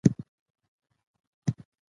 جانانه ته خو داسې نه وې